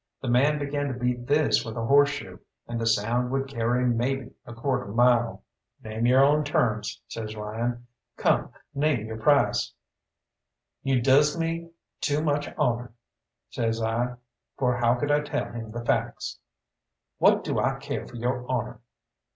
The man began to beat this with a horseshoe, and the sound would carry maybe a quarter mile. "Name your own terms," says Ryan. "Come, name your price!" "You does me too much honour," says I, for how could I tell him the facts? "What do I care for your honour?"